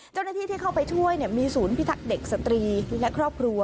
เจ้าหน้าที่ที่เข้าไปช่วยมีศูนย์พิทักษ์เด็กสตรีและครอบครัว